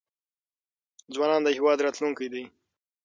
ځوانان د هیواد راتلونکی دی.